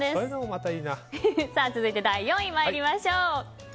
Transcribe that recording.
続いて第４位、参りましょう。